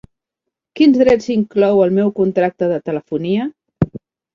Quins drets inclou el meu contracte de telefonia?